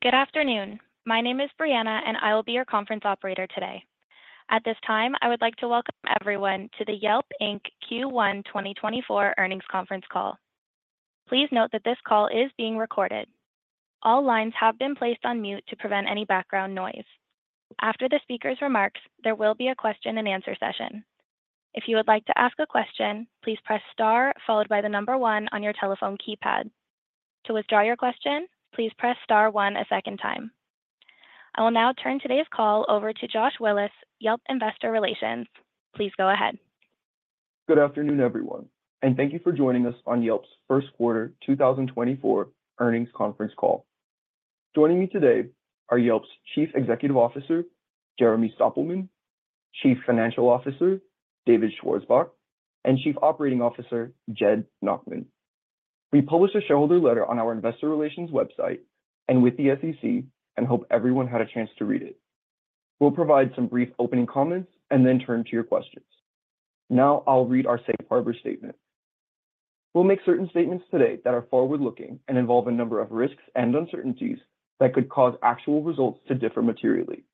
Good afternoon. My name is Brianna, and I will be your conference operator today. At this time, I would like to welcome everyone to the Yelp Inc. Q1 2024 earnings conference call. Please note that this call is being recorded. All lines have been placed on mute to prevent any background noise. After the speaker's remarks, there will be a question-and-answer session. If you would like to ask a question, please press star followed by the number one on your telephone keypad. To withdraw your question, please press star one a second time. I will now turn today's call over to Josh Willis, Yelp Investor Relations. Please go ahead. Good afternoon, everyone, and thank you for joining us on Yelp's first quarter 2024 earnings conference call. Joining me today are Yelp's Chief Executive Officer, Jeremy Stoppelman, Chief Financial Officer, David Schwarzbach, and Chief Operating Officer, Jed Nachman. We published a shareholder letter on our investor relations website and with the SEC and hope everyone had a chance to read it. We'll provide some brief opening comments and then turn to your questions. Now I'll read our safe harbor statement. We'll make certain statements today that are forward-looking and involve a number of risks and uncertainties that could cause actual results to differ materially.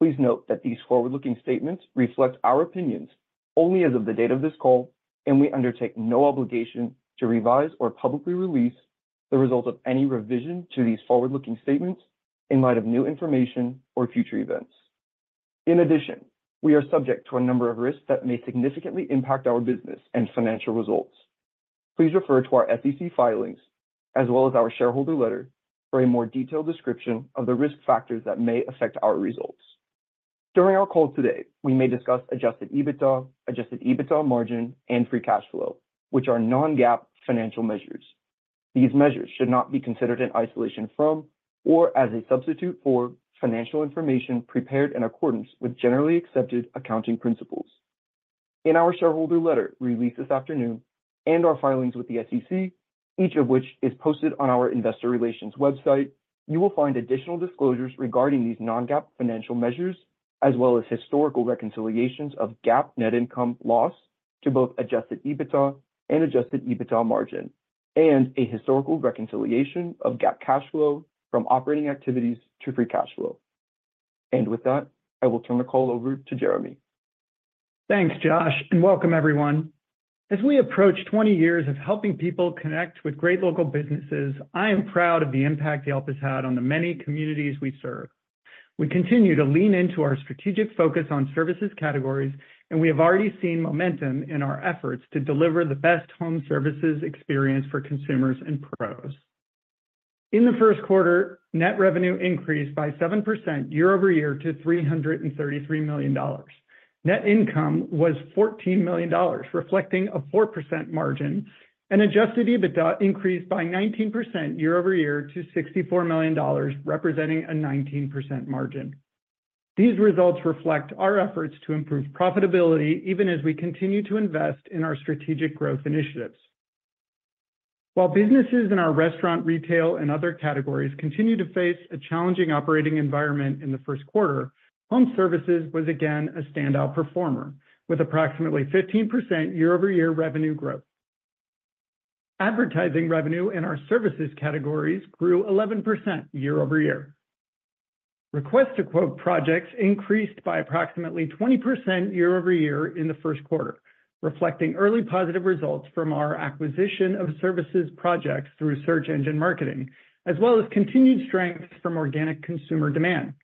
Please note that these forward-looking statements reflect our opinions only as of the date of this call, and we undertake no obligation to revise or publicly release the results of any revision to these forward-looking statements in light of new information or future events. In addition, we are subject to a number of risks that may significantly impact our business and financial results. Please refer to our SEC filings, as well as our shareholder letter, for a more detailed description of the risk factors that may affect our results. During our call today, we may discuss Adjusted EBITDA, Adjusted EBITDA margin, and Free Cash Flow, which are non-GAAP financial measures. These measures should not be considered in isolation from or as a substitute for financial information prepared in accordance with generally accepted accounting principles. In our shareholder letter released this afternoon and our filings with the SEC, each of which is posted on our investor relations website, you will find additional disclosures regarding these non-GAAP financial measures, as well as historical reconciliations of GAAP net income loss to both Adjusted EBITDA and Adjusted EBITDA margin, and a historical reconciliation of GAAP cash flow from operating activities to free cash flow. With that, I will turn the call over to Jeremy. Thanks, Josh, and welcome everyone. As we approach 20 years of helping people connect with great local businesses, I am proud of the impact Yelp has had on the many communities we serve. We continue to lean into our strategic focus on services categories, and we have already seen momentum in our efforts to deliver the best home services experience for consumers and pros. In the first quarter, net revenue increased by 7% year-over-year to $333 million. Net income was $14 million, reflecting a 4% margin, and Adjusted EBITDA increased by 19% year-over-year to $64 million, representing a 19% margin. These results reflect our efforts to improve profitability, even as we continue to invest in our strategic growth initiatives. While businesses in our restaurant, retail, and other categories continue to face a challenging operating environment in the first quarter, home services was again a standout performer, with approximately 15% year-over-year revenue growth. Advertising revenue in our services categories grew 11% year-over-year. Request a Quote projects increased by approximately 20% year-over-year in the first quarter, reflecting early positive results from our acquisition of services projects through search engine marketing, as well as continued strength from organic consumer demand.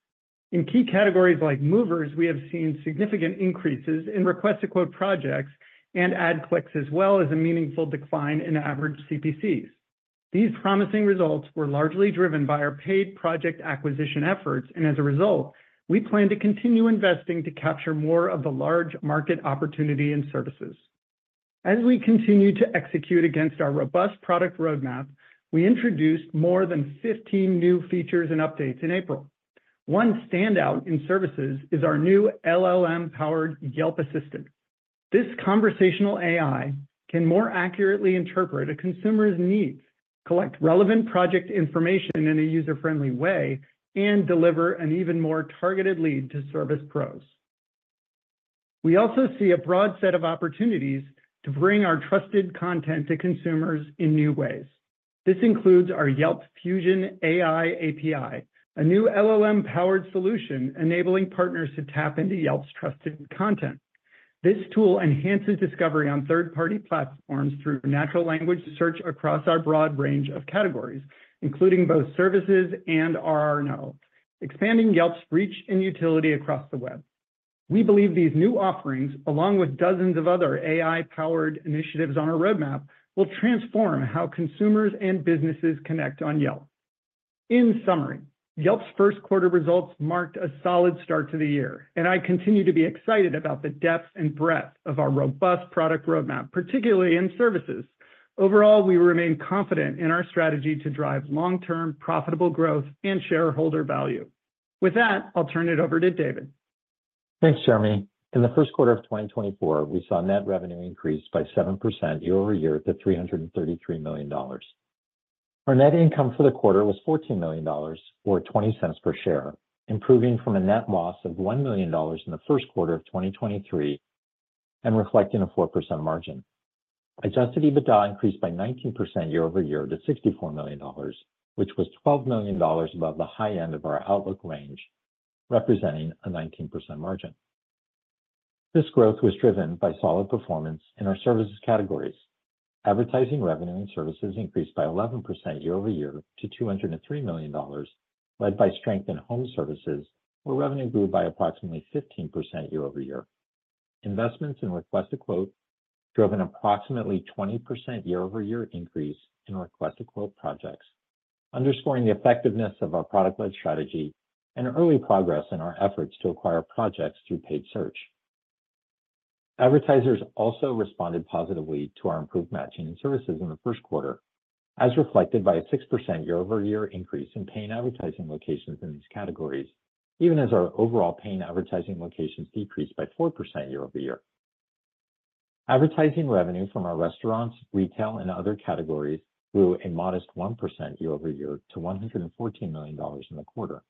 In key categories like movers, we have seen significant increases in Request a Quote projects and ad clicks, as well as a meaningful decline in average CPCs. These promising results were largely driven by our paid project acquisition efforts, and as a result, we plan to continue investing to capture more of the large market opportunity in services. As we continue to execute against our robust product roadmap, we introduced more than 15 new features and updates in April. One standout in services is our new LLM-powered Yelp Assistant. This conversational AI can more accurately interpret a consumer's needs, collect relevant project information in a user-friendly way, and deliver an even more targeted lead to service pros. We also see a broad set of opportunities to bring our trusted content to consumers in new ways. This includes our Yelp Fusion AI API, a new LLM-powered solution enabling partners to tap into Yelp's trusted content. This tool enhances discovery on third-party platforms through natural language search across our broad range of categories, including both services and RNO, expanding Yelp's reach and utility across the web. We believe these new offerings, along with dozens of other AI-powered initiatives on our roadmap, will transform how consumers and businesses connect on Yelp. In summary, Yelp's first quarter results marked a solid start to the year, and I continue to be excited about the depth and breadth of our robust product roadmap, particularly in services. Overall, we remain confident in our strategy to drive long-term, profitable growth and shareholder value. With that, I'll turn it over to David. Thanks, Jeremy. In the first quarter of 2024, we saw net revenue increase by 7% year-over-year to $333 million. Our net income for the quarter was $14 million, or $0.20 per share, improving from a net loss of $1 million in the first quarter of 2023 and reflecting a 4% margin. Adjusted EBITDA increased by 19% year-over-year to $64 million, which was $12 million above the high end of our outlook range, representing a 19% margin. This growth was driven by solid performance in our services categories. Advertising revenue and services increased by 11% year-over-year to $203 million, led by strength in home services, where revenue grew by approximately 15% year-over-year. Investments in Request a Quote drove an approximately 20% year-over-year increase in Request a Quote projects, underscoring the effectiveness of our product-led strategy and early progress in our efforts to acquire projects through paid search. Advertisers also responded positively to our improved matching and services in the first quarter, as reflected by a 6% year-over-year increase in paying advertising locations in these categories, even as our overall paying advertising locations decreased by 4% year-over-year. Advertising revenue from our restaurants, retail, and other categories grew a modest 1% year-over-year to $114 million in the quarter.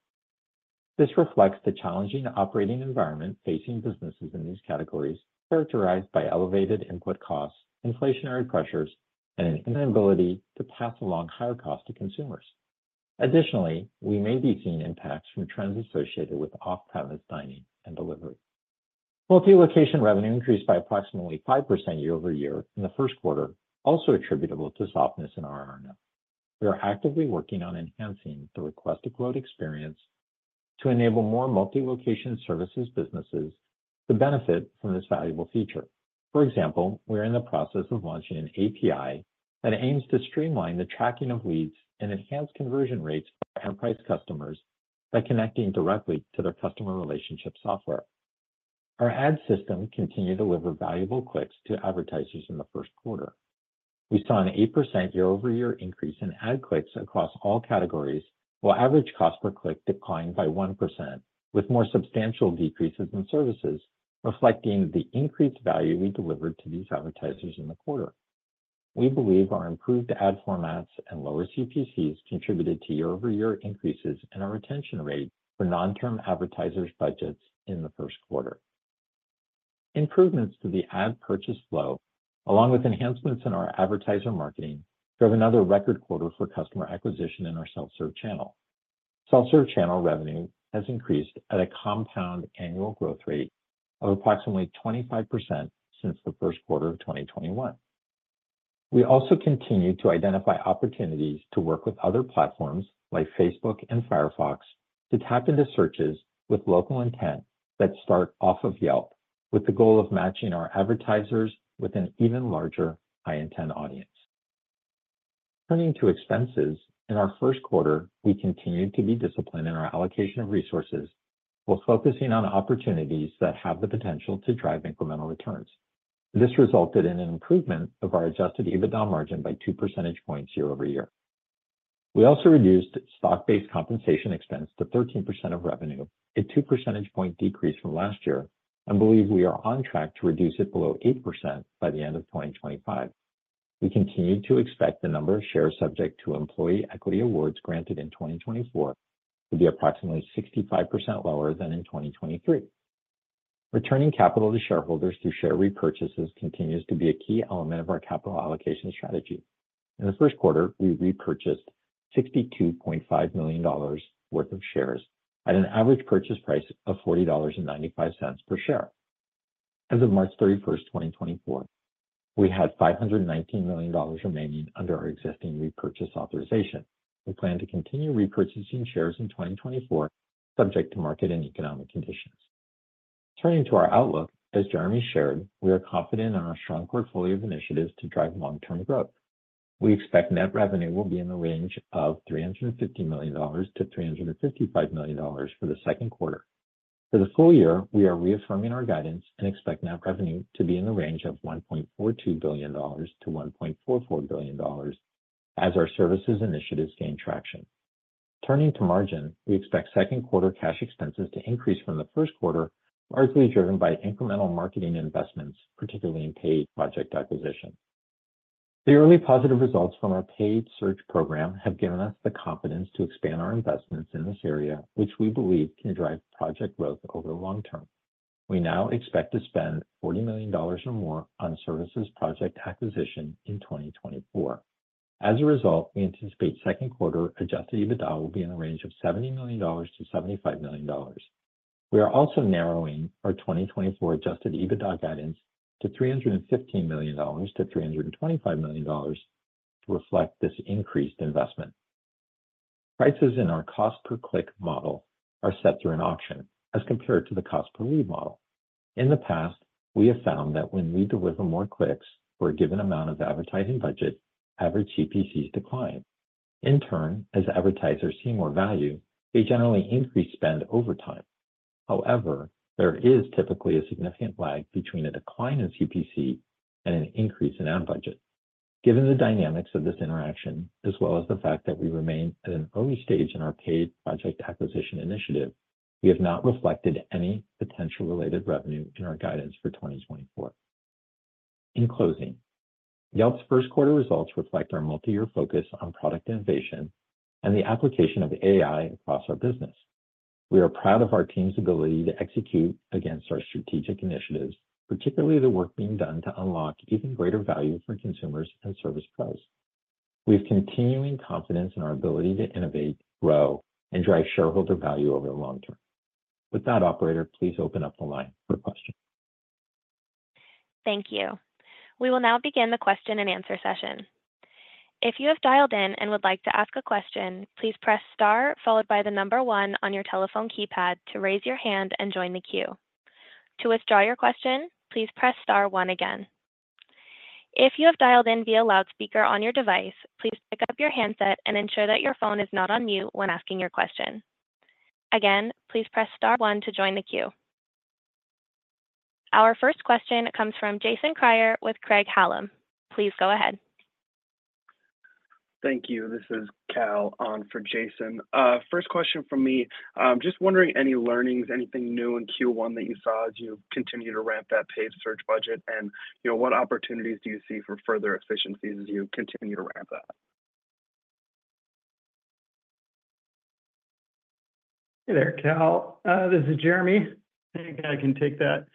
This reflects the challenging operating environment facing businesses in these categories, characterized by elevated input costs, inflationary pressures, and an inability to pass along higher costs to consumers. Additionally, we may be seeing impacts from trends associated with off-premise dining and delivery. Multi-location revenue increased by approximately 5% year-over-year in the first quarter, also attributable to softness in RNO. We are actively working on enhancing the Request a Quote experience to enable more multi-location services businesses to benefit from this valuable feature. For example, we are in the process of launching an API that aims to streamline the tracking of leads and enhance conversion rates for enterprise customers by connecting directly to their customer relationship software. Our ad system continued to deliver valuable clicks to advertisers in the first quarter. We saw an 8% year-over-year increase in ad clicks across all categories, while average cost per click declined by 1%, with more substantial decreases in services, reflecting the increased value we delivered to these advertisers in the quarter. We believe our improved ad formats and lower CPCs contributed to year-over-year increases in our retention rate for non-term advertisers' budgets in the first quarter. Improvements to the ad purchase flow, along with enhancements in our advertiser marketing, drove another record quarter for customer acquisition in our self-serve channel. Self-serve channel revenue has increased at a compound annual growth rate of approximately 25% since the first quarter of 2021. We also continued to identify opportunities to work with other platforms, like Facebook and Firefox, to tap into searches with local intent that start off of Yelp, with the goal of matching our advertisers with an even larger high-intent audience. Turning to expenses, in our first quarter, we continued to be disciplined in our allocation of resources while focusing on opportunities that have the potential to drive incremental returns. This resulted in an improvement of our Adjusted EBITDA margin by two percentage points year-over-year. We also reduced stock-based compensation expense to 13% of revenue, a two percentage point decrease from last year, and believe we are on track to reduce it below 8% by the end of 2025. We continue to expect the number of shares subject to employee equity awards granted in 2024 to be approximately 65% lower than in 2023. Returning capital to shareholders through share repurchases continues to be a key element of our capital allocation strategy. In the first quarter, we repurchased $62.5 million worth of shares at an average purchase price of $40.95 per share. As of March 31, 2024, we had $519 million remaining under our existing repurchase authorization. We plan to continue repurchasing shares in 2024, subject to market and economic conditions. Turning to our outlook, as Jeremy shared, we are confident in our strong portfolio of initiatives to drive long-term growth. We expect net revenue will be in the range of $350 million-$355 million for the second quarter. For the full year, we are reaffirming our guidance and expect net revenue to be in the range of $1.42 billion-$1.44 billion as our services initiatives gain traction. Turning to margin, we expect second quarter cash expenses to increase from the first quarter, largely driven by incremental marketing investments, particularly in paid project acquisition. The early positive results from our paid search program have given us the confidence to expand our investments in this area, which we believe can drive project growth over the long term. We now expect to spend $40 million or more on services project acquisition in 2024. As a result, we anticipate second quarter Adjusted EBITDA will be in the range of $70 million-$75 million. We are also narrowing our 2024 Adjusted EBITDA guidance to $315 million-$325 million to reflect this increased investment. Prices in our cost per click model are set through an auction, as compared to the cost per lead model. In the past, we have found that when we deliver more clicks for a given amount of advertising budget, average CPCs decline. In turn, as advertisers see more value, they generally increase spend over time. However, there is typically a significant lag between a decline in CPC and an increase in ad budget. Given the dynamics of this interaction, as well as the fact that we remain at an early stage in our paid project acquisition initiative, we have not reflected any potential related revenue in our guidance for 2024. In closing, Yelp's first quarter results reflect our multi-year focus on product innovation and the application of AI across our business. We are proud of our team's ability to execute against our strategic initiatives, particularly the work being done to unlock even greater value for consumers and service pros. We have continuing confidence in our ability to innovate, grow, and drive shareholder value over the long term. With that, operator, please open up the line for questions. Thank you. We will now begin the question-and-answer session. If you have dialed in and would like to ask a question, please press star followed by the number one on your telephone keypad to raise your hand and join the queue. To withdraw your question, please press star one again. If you have dialed in via loudspeaker on your device, please pick up your handset and ensure that your phone is not on mute when asking your question. Again, please press star one to join the queue. Our first question comes from Jason Kreyer with Craig-Hallum. Please go ahead. Thank you. This is Cal on for Jason. First question from me. Just wondering, any learnings, anything new in Q1 that you saw as you continue to ramp that paid search budget and, you know, what opportunities do you see for further efficiencies as you continue to ramp that? Hey there, Cal. This is Jeremy. I think I can take that.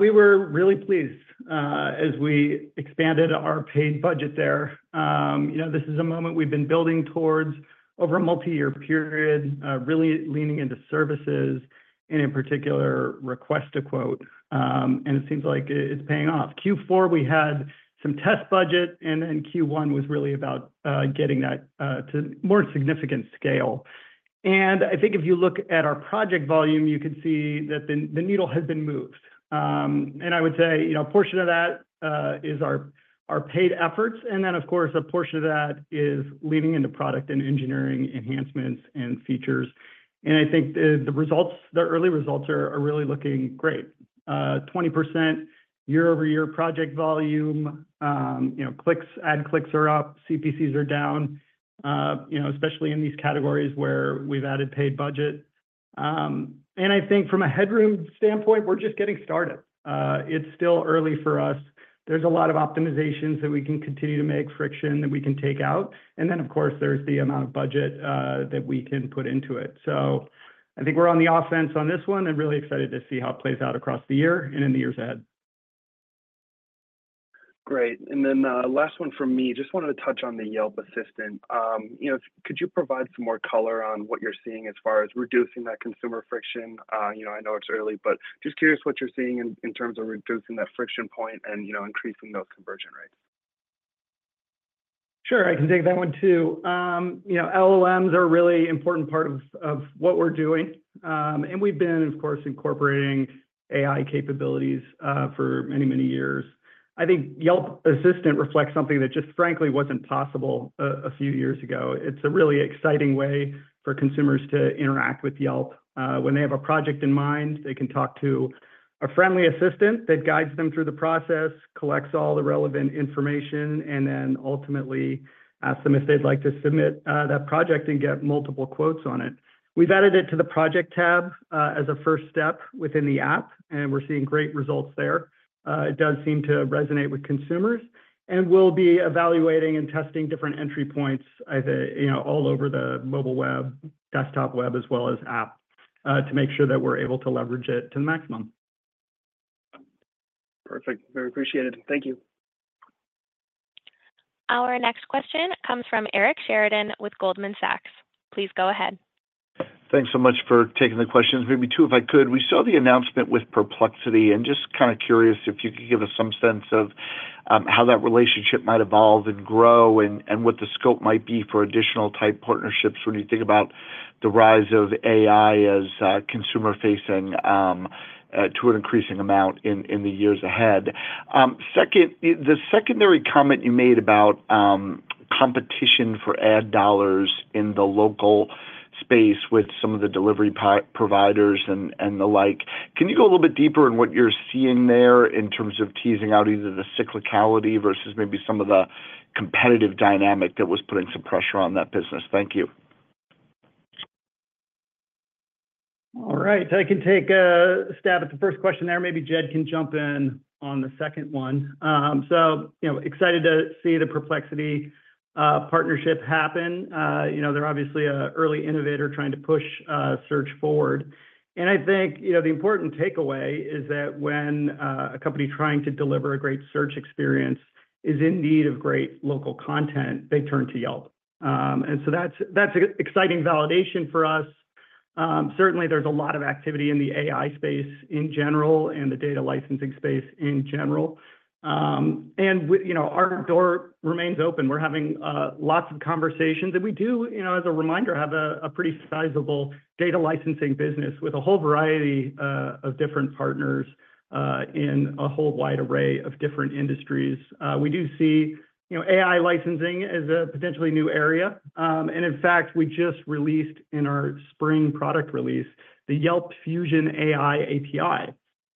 We were really pleased, as we expanded our paid budget there. You know, this is a moment we've been building towards over a multi-year period, really leaning into services and, in particular, Request a Quote, and it seems like it's paying off. Q4, we had some test budget, and then Q1 was really about getting that to more significant scale. I think if you look at our project volume, you can see that the needle has been moved. I would say, you know, a portion of that is our paid efforts, and then, of course, a portion of that is leaning into product and engineering enhancements and features and I think the early results are really looking great. 20% year-over-year project volume, you know, clicks, ad clicks are up, CPCs are down, you know, especially in these categories where we've added paid budget. I think from a headroom standpoint, we're just getting started. It's still early for us. There's a lot of optimizations that we can continue to make, friction that we can take out, and then, of course, there's the amount of budget that we can put into it. So I think we're on the offense on this one, and really excited to see how it plays out across the year and in the years ahead. Great. Then, last one from me. Just wanted to touch on the Yelp Assistant. You know, could you provide some more color on what you're seeing as far as reducing that consumer friction? You know, I know it's early, but just curious what you're seeing in terms of reducing that friction point and, you know, increasing those conversion rates. Sure, I can take that one, too. You know, LLMs are a really important part of what we're doing and we've been, of course, incorporating AI capabilities for many, many years. I think Yelp Assistant reflects something that just frankly wasn't possible a few years ago. It's a really exciting way for consumers to interact with Yelp. When they have a project in mind, they can talk to a friendly assistant that guides them through the process, collects all the relevant information, and then ultimately asks them if they'd like to submit that project and get multiple quotes on it. We've added it to the project tab as a first step within the app, and we're seeing great results there. It does seem to resonate with consumers, and we'll be evaluating and testing different entry points, either, you know, all over the mobile web, desktop web, as well as app, to make sure that we're able to leverage it to the maximum. Perfect. Very appreciated. Thank you. Our next question comes from Eric Sheridan with Goldman Sachs. Please go ahead. Thanks so much for taking the questions. Maybe two, if I could. We saw the announcement with Perplexity, and just kinda curious if you could give us some sense of how that relationship might evolve and grow, and what the scope might be for additional type partnerships when you think about the rise of AI as consumer facing to an increasing amount in the years ahead. Second, the secondary comment you made about competition for ad dollars in the local space with some of the delivery providers and the like, can you go a little bit deeper in what you're seeing there in terms of teasing out either the cyclicality versus maybe some of the competitive dynamic that was putting some pressure on that business? Thank you. All right, I can take a stab at the first question there. Maybe Jed can jump in on the second one. So, you know, excited to see the Perplexity partnership happen. You know, they're obviously an early innovator trying to push search forward. I think, you know, the important takeaway is that when a company trying to deliver a great search experience is in need of great local content, they turn to Yelp. So that's exciting validation for us. Certainly, there's a lot of activity in the AI space in general and the data licensing space in general. You know, our door remains open. We're having lots of conversations, and we do, you know, as a reminder, have a pretty sizable data licensing business with a whole variety of different partners in a whole wide array of different industries. We do see, you know, AI licensing as a potentially new area. In fact, we just released in our spring product release, the Yelp Fusion AI API,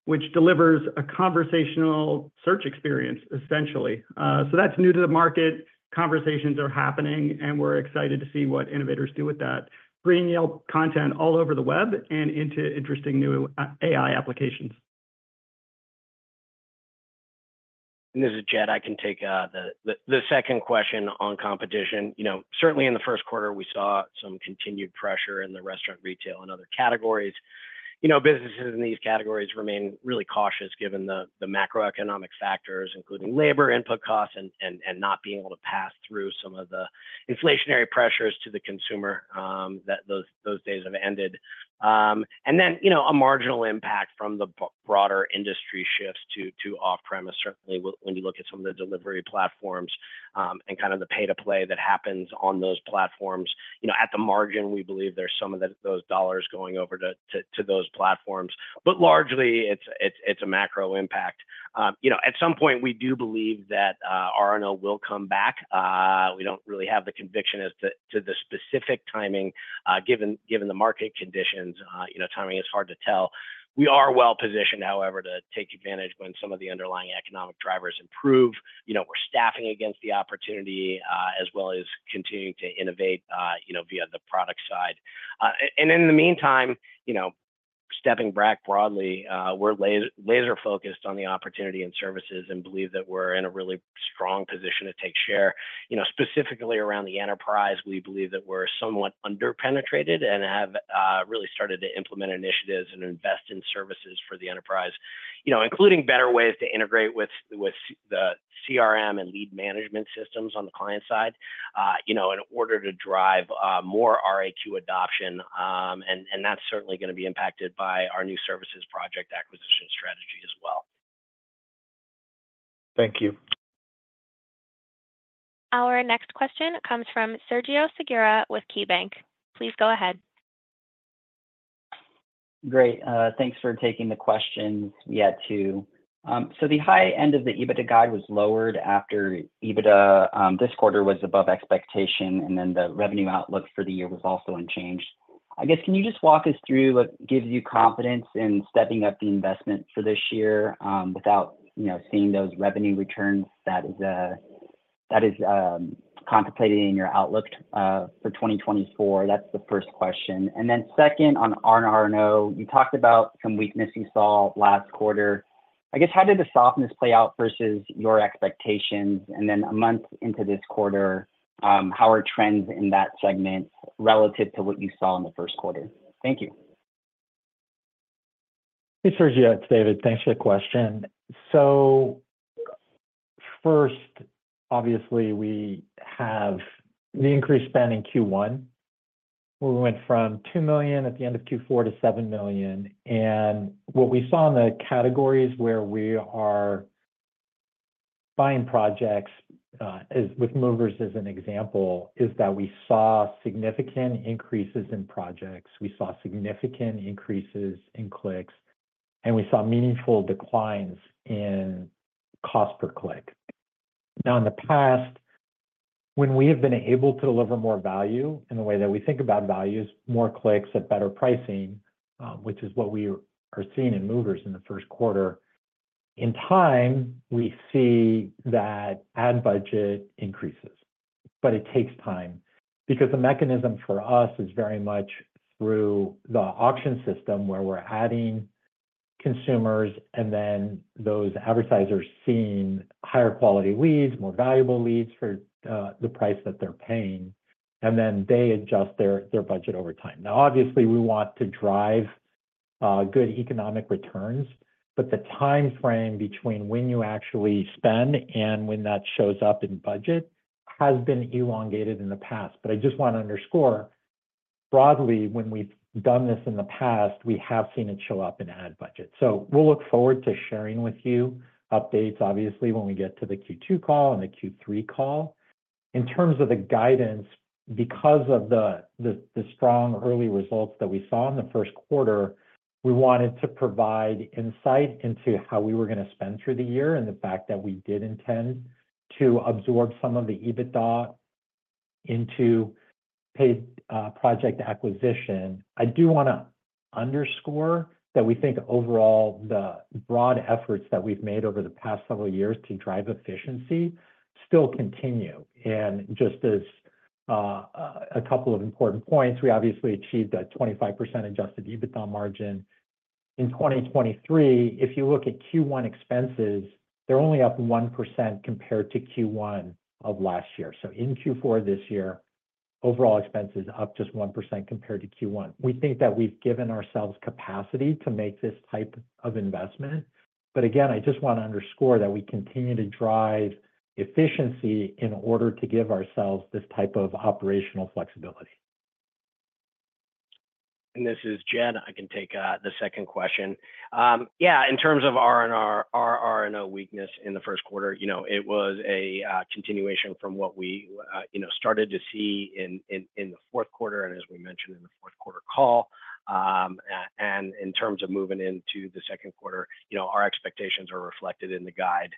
which delivers a conversational search experience, essentially. So that's new to the market. Conversations are happening, and we're excited to see what innovators do with that, bringing Yelp content all over the web and into interesting new AI applications. This is Jed. I can take the second question on competition. You know, certainly in the first quarter, we saw some continued pressure in the restaurant, retail, and other categories. You know, businesses in these categories remain really cautious, given the macroeconomic factors, including labor input costs and not being able to pass through some of the inflationary pressures to the consumer, that those days have ended. Then, you know, a marginal impact from the broader industry shifts to off-premise. Certainly, when you look at some of the delivery platforms and kind of the pay-to-play that happens on those platforms. You know, at the margin, we believe there's some of those dollars going over to those platforms, but largely, it's a macro impact. You know, at some point, we do believe that RNO will come back. We don't really have the conviction as to the specific timing, given the market conditions. You know, timing is hard to tell. We are well-positioned, however, to take advantage when some of the underlying economic drivers improve. You know, we're staffing against the opportunity, as well as continuing to innovate, you know, via the product side. In the meantime, you know, stepping back broadly, we're laser-focused on the opportunity and services, and believe that we're in a really strong position to take share. You know, specifically around the enterprise, we believe that we're somewhat under-penetrated and have really started to implement initiatives and invest in services for the enterprise. You know, including better ways to integrate with the CRM and lead management systems on the client side, you know, in order to drive more RAQ adoption and that's certainly gonna be impacted by our new services project acquisition strategy as well. Thank you. Our next question comes from Sergio Segura with KeyBanc. Please go ahead. Great. Thanks for taking the questions, yeah, too. So the high end of the EBITDA guide was lowered after EBITDA this quarter was above expectation, and then the revenue outlook for the year was also unchanged. I guess, can you just walk us through what gives you confidence in stepping up the investment for this year, without, you know, seeing those revenue returns that is, that is, contemplated in your outlook, for 2024? That's the first question. Then second, on RNO, you talked about some weakness you saw last quarter. I guess, how did the softness play out versus your expectations? Then, a month into this quarter, how are trends in that segment relative to what you saw in the first quarter? Thank you. Hey, Sergio, it's David. Thanks for the question. So first, obviously, we have the increased spend in Q1, where we went from $2 million at the end of Q4 to $7 million. What we saw in the categories where we are buying projects, as with movers as an example, is that we saw significant increases in projects, we saw significant increases in clicks, and we saw meaningful declines in cost per click. Now, in the past, when we have been able to deliver more value in the way that we think about values, more clicks at better pricing, which is what we are seeing in movers in the first quarter, in time, we see that ad budget increases. But it takes time because the mechanism for us is very much through the auction system, where we're adding consumers, and then those advertisers seeing higher quality leads, more valuable leads for the price that they're paying, and then they adjust their budget over time. Now, obviously, we want to drive good economic returns, but the timeframe between when you actually spend and when that shows up in budget has been elongated in the past. But I just want to underscore, broadly, when we've done this in the past, we have seen it show up in ad budget. So we'll look forward to sharing with you updates, obviously, when we get to the Q2 call and the Q3 call. In terms of the guidance, because of the strong early results that we saw in the first quarter, we wanted to provide insight into how we were gonna spend through the year, and the fact that we did intend to absorb some of the EBITDA into paid project acquisition. I do wanna underscore that we think overall, the broad efforts that we've made over the past several years to drive efficiency still continue. Just as a couple of important points, we obviously achieved a 25% Adjusted EBITDA margin. In 2023, if you look at Q1 expenses, they're only up 1% compared to Q1 of last year. So in Q4 this year, overall expenses up just 1% compared to Q1. We think that we've given ourselves capacity to make this type of investment, but again, I just want to underscore that we continue to drive efficiency in order to give ourselves this type of operational flexibility. This is Jed. I can take the second question. Yeah, in terms of RNO weakness in the first quarter, you know, it was a continuation from what we you know, started to see in the fourth quarter, and as we mentioned in the fourth quarter call. In terms of moving into the second quarter, you know, our expectations are reflected in the guide.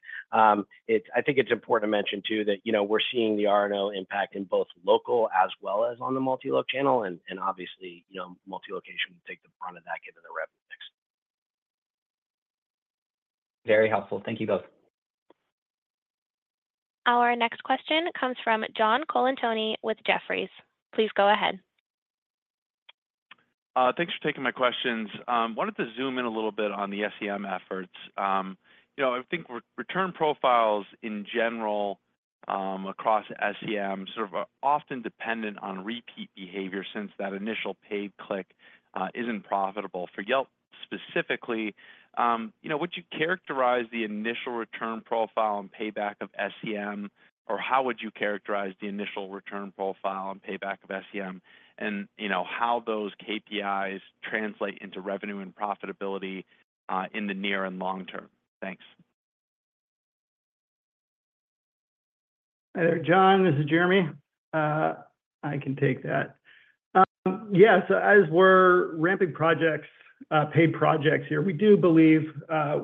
It's important to mention, too, that you know, we're seeing the RNO impact in both local as well as on the multi-loc channel, and obviously, you know, multi-location will take the brunt of that given the revenue mix. Very helpful. Thank you both. Our next question comes from John Colantuoni with Jefferies. Please go ahead. Thanks for taking my questions. Wanted to zoom in a little bit on the SEM efforts. You know, I think return profiles in general, across SEM, sort of, are often dependent on repeat behavior since that initial paid click isn't profitable. For Yelp specifically, you know, would you characterize the initial return profile and payback of SEM, or how would you characterize the initial return profile and payback of SEM? You know, how those KPIs translate into revenue and profitability, in the near and long term? Thanks. Hi there, John, this is Jeremy. I can take that. Yes, as we're ramping projects, paid projects here, we do believe,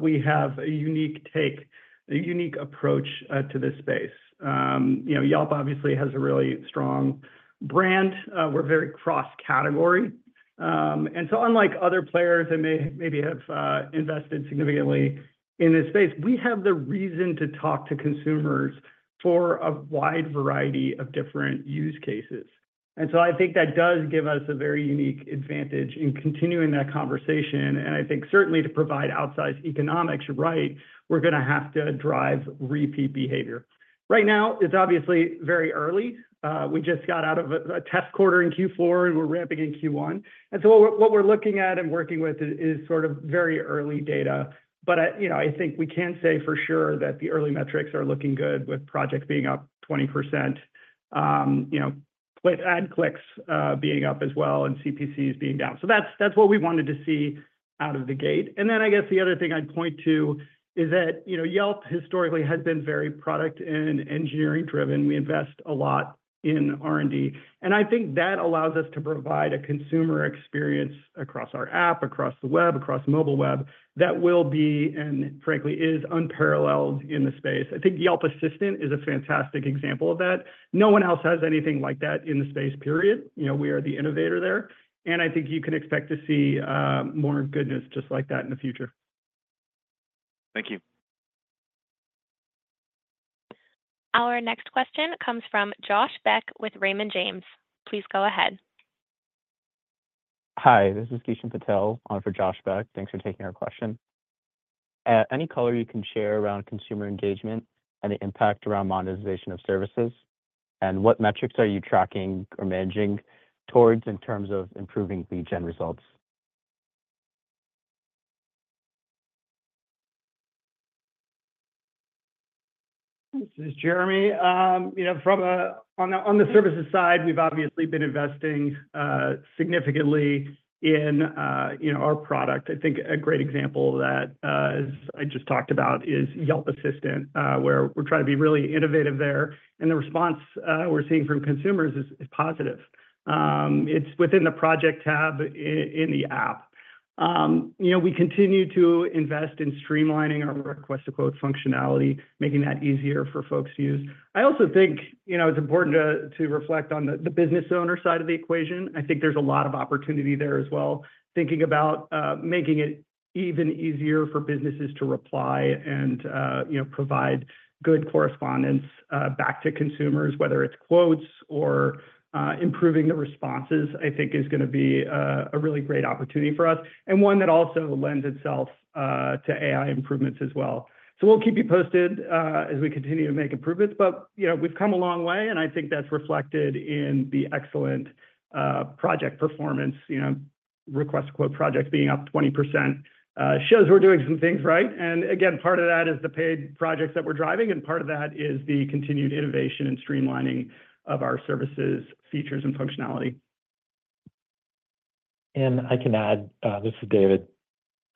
we have a unique take, a unique approach, to this space. You know, Yelp obviously has a really strong brand. We're very cross-category. So unlike other players that may maybe have, invested significantly in this space, we have the reason to talk to consumers for a wide variety of different use cases. So I think that does give us a very unique advantage in continuing that conversation and I think certainly to provide outsized economics, right, we're gonna have to drive repeat behavior. Right now, it's obviously very early. We just got out of a test quarter in Q4, and we're ramping in Q1. So what we're looking at and working with is sort of very early data. But, you know, I think we can say for sure that the early metrics are looking good, with projects being up 20%. You know, click ad clicks being up as well and CPCs being down. So that's what we wanted to see out of the gate. Then I guess the other thing I'd point to is that, you know, Yelp historically has been very product and engineering driven. We invest a lot in R&D, and I think that allows us to provide a consumer experience across our app, across the web, across mobile web, that will be, and frankly, is unparalleled in the space. I think Yelp Assistant is a fantastic example of that. No one else has anything like that in the space, period. You know, we are the innovator there, and I think you can expect to see more goodness just like that in the future. Thank you. Our next question comes from Josh Beck with Raymond James. Please go ahead. Hi, this is Kishan Patel on for Josh Beck. Thanks for taking our question. Any color you can share around consumer engagement and the impact around monetization of services, and what metrics are you tracking or managing towards in terms of improving lead gen results? This is Jeremy. You know, from on the, on the services side, we've obviously been investing significantly in, you know, our product. I think a great example of that, as I just talked about, is Yelp Assistant, where we're trying to be really innovative there, and the response we're seeing from consumers is positive. It's within the project tab in the app. You know, we continue to invest in streamlining our Request a Quote functionality, making that easier for folks to use. I also think, you know, it's important to reflect on the business owner side of the equation. I think there's a lot of opportunity there as well, thinking about making it even easier for businesses to reply and, you know, provide good correspondence back to consumers. Whether it's quotes or improving the responses, I think is gonna be a really great opportunity for us, and one that also lends itself to AI improvements as well. So we'll keep you posted as we continue to make improvements, but, you know, we've come a long way, and I think that's reflected in the excellent project performance. You know, Request a Quote projects being up 20%, shows we're doing some things right. Again, part of that is the paid projects that we're driving, and part of that is the continued innovation and streamlining of our services, features, and functionality. I can add, this is David.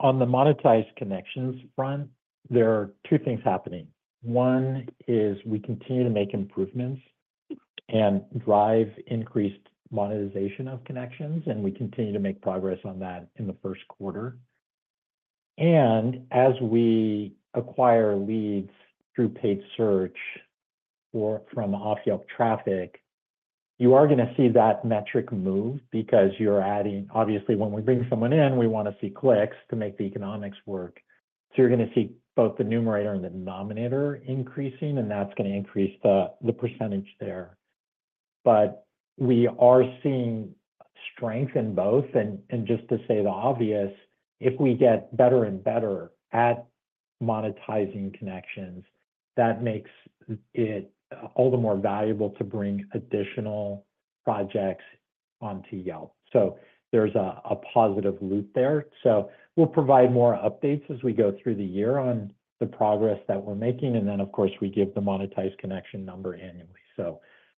On the monetized connections front, there are two things happening. One is we continue to make improvements and drive increased monetization of connections, and we continue to make progress on that in the first quarter. As we acquire leads through paid search or from off-Yelp traffic, you are gonna see that metric move because you're adding. Obviously, when we bring someone in, we wanna see clicks to make the economics work. So you're gonna see both the numerator and the denominator increasing, and that's gonna increase the percentage there. But we are seeing strength in both and just to say the obvious, if we get better and better at monetizing connections, that makes it all the more valuable to bring additional projects onto Yelp. So there's a positive loop there. We'll provide more updates as we go through the year on the progress that we're making. Then, of course, we give the monetized connection number annually.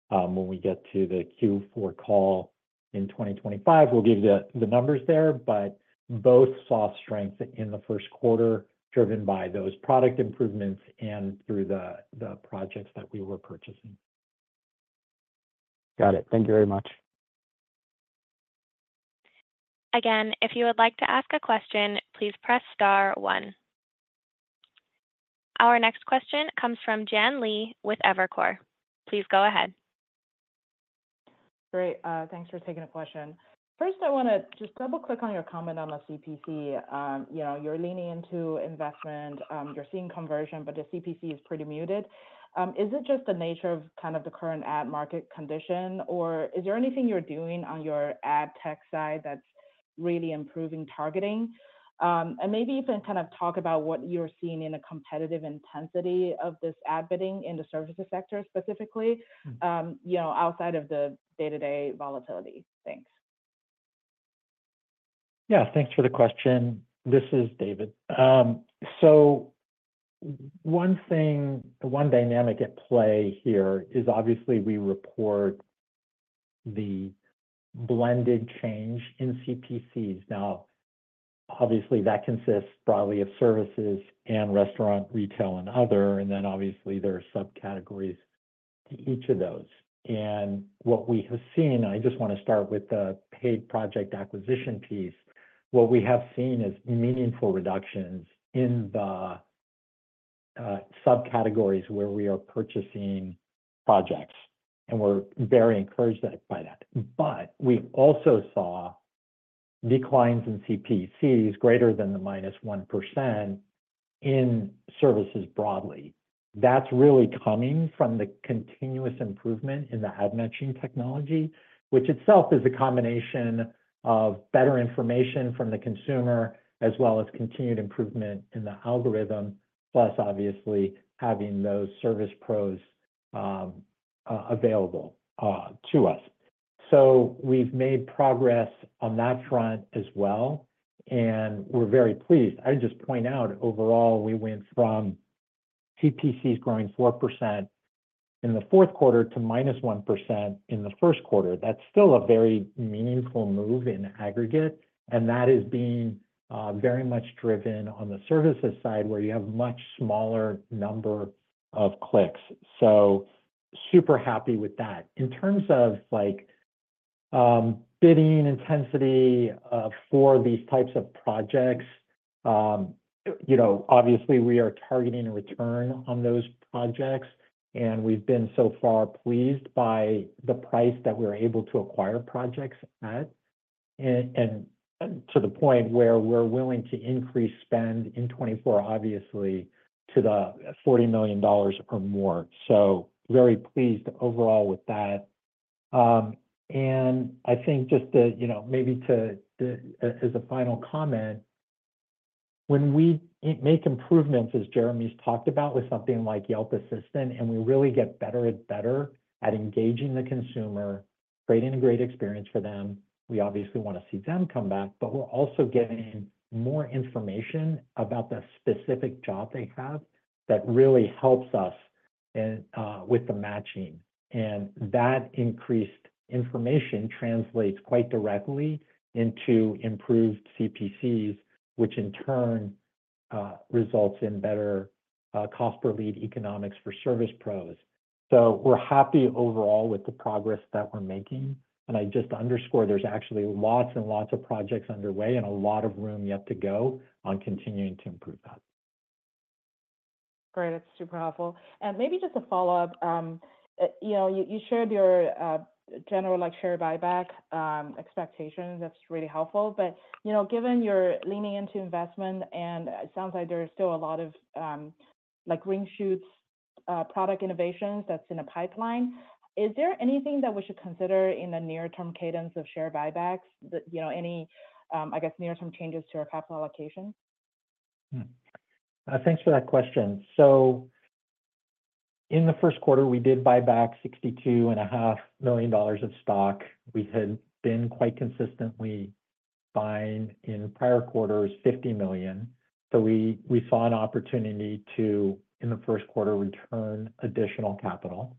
When we get to the Q4 call in 2025, we'll give the numbers there, but both saw strength in the first quarter, driven by those product improvements and through the projects that we were purchasing. Got it. Thank you very much. Again, if you would like to ask a question, please press star one. Our next question comes from Jian Li with Evercore. Please go ahead. Great. Thanks for taking the question. First, I wanna just double-click on your comment on the CPC. You know, you're leaning into investment, you're seeing conversion, but the CPC is pretty muted. Is it just the nature of kind of the current ad market condition, or is there anything you're doing on your ad tech side that's really improving targeting? Maybe even kind of talk about what you're seeing in the competitive intensity of this ad bidding in the services sector specifically, you know, outside of the day-to-day volatility. Thanks. Yeah, thanks for the question. This is David. So one thing, the one dynamic at play here is obviously we report the blended change in CPCs. Now, obviously, that consists broadly of services and restaurant, retail, and other, and then obviously there are subcategories to each of those. What we have seen, I just wanna start with the paid project acquisition piece. What we have seen is meaningful reductions in the subcategories where we are purchasing projects, and we're very encouraged by that, but we also saw declines in CPCs greater than the -1% in services broadly. That's really coming from the continuous improvement in the ad matching technology, which itself is a combination of better information from the consumer, as well as continued improvement in the algorithm, plus obviously, having those service pros available to us. So we've made progress on that front as well, and we're very pleased. I just point out, overall, we went from CPCs growing 4% in the fourth quarter to -1% in the first quarter. That's still a very meaningful move in aggregate, and that is being very much driven on the services side, where you have much smaller number of clicks. So super happy with that. In terms of, like, bidding intensity, for these types of projects, you know, obviously, we are targeting a return on those projects, and we've been so far pleased by the price that we're able to acquire projects at, and to the point where we're willing to increase spend in 2024, obviously, to the $40 million or more. So very pleased overall with that. I think just to, you know, maybe as a final comment, when we make improvements, as Jeremy's talked about, with something like Yelp Assistant, and we really get better and better at engaging the consumer, creating a great experience for them, we obviously wanna see them come back. But we're also getting more information about the specific job they have. That really helps us with the matching, and that increased information translates quite directly into improved CPCs, which in turn results in better cost per lead economics for service pros. So we're happy overall with the progress that we're making, and I just underscore there's actually lots and lots of projects underway and a lot of room yet to go on continuing to improve that. Great, that's super helpful. Maybe just a follow-up. You know, you shared your general, like, share buyback expectations. That's really helpful. But, you know, given you're leaning into investment, and it sounds like there's still a lot of, like, green shoots, product innovations that's in the pipeline, is there anything that we should consider in the near-term cadence of share buybacks? You know, any, I guess, near-term changes to our capital allocation. Thanks for that question. So in the first quarter, we did buy back $62.5 million of stock. We had been quite consistently buying in prior quarters, $50 million. So we saw an opportunity to, in the first quarter, return additional capital.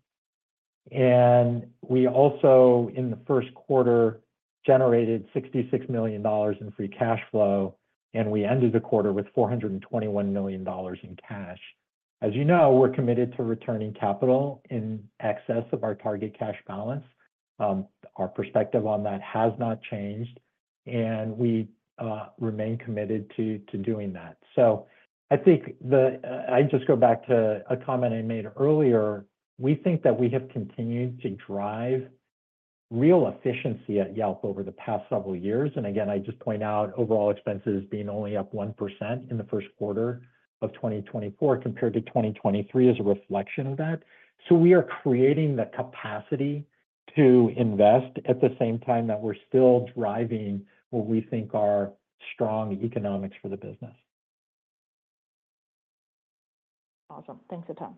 We also, in the first quarter, generated $66 million in free cash flow, and we ended the quarter with $421 million in cash. As you know, we're committed to returning capital in excess of our target cash balance. Our perspective on that has not changed, and we remain committed to doing that. So I think I just go back to a comment I made earlier, we think that we have continued to drive real efficiency at Yelp over the past several years. Again, I just point out, overall expenses being only up 1% in the first quarter of 2024 compared to 2023 is a reflection of that. So we are creating the capacity to invest, at the same time that we're still driving what we think are strong economics for the business. Awesome. Thanks a ton.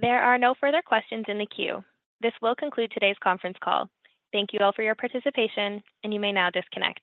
There are no further questions in the queue. This will conclude today's conference call. Thank you all for your participation, and you may now disconnect.